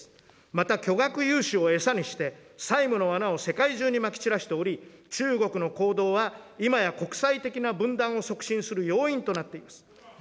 また、巨額融資を餌にして、債務のわなを世界中にまき散らしており、中国の行動は、今や国際的な分断を促進する要因となっています。